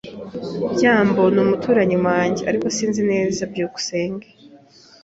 byambo ni umuturanyi wanjye, ariko sinzi neza. byukusenge